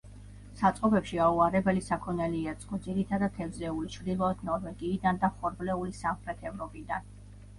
საწყობებში აუარებელი საქონელი ეწყო, ძირითადად, თევზეული ჩრდილოეთ ნორვეგიიდან და ხორბლეული სამხრეთ ევროპიდან.